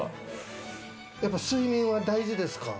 やっぱり睡眠は大事ですか？